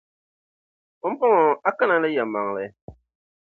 Pumpɔŋɔ a kana ni yεlimaŋli